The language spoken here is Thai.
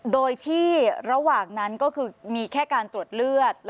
โดยที่ระหว่างนั้นก็คือมีแค่การตรวจเลือด